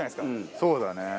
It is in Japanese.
そうだね。